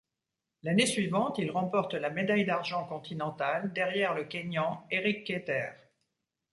L'année suivante, il remporte la médaille d'argent continentale derrière le Kényan Erick Keter.